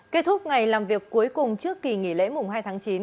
kết thúc ngày làm việc cuối cùng trước kỳ nghỉ lễ mùng hai tháng chín